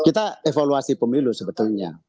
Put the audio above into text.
kita evaluasi pemilu sebetulnya